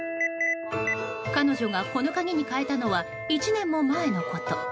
彼女がこの鍵に変えたのは１年も前のこと。